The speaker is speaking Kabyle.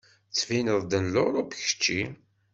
Tettbineḍ-d n Luṛup kečči.